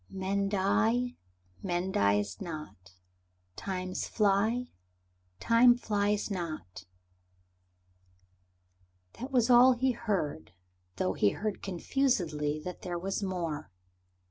"Men die, Man dies not. Times fly, Time flies not." That was all he heard, though he heard confusedly that there was more.